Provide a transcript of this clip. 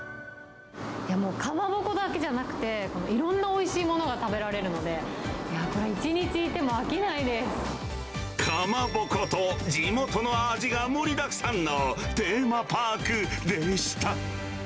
もう、かまぼこだけじゃなくて、いろんなおいしいものが食べられるので、いや、かまぼこと地元の味が盛りだくさんのテーマパークでした。